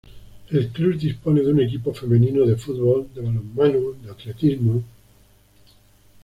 El club dispone de un equipo femenino de fútbol, de balonmano, de atletismo.